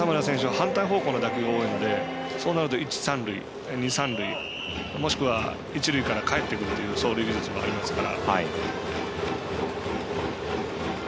反対方向の打球が多いのでそうなると一塁三塁、二塁三塁もしくは、一塁からかえってくるという走塁技術もありますから。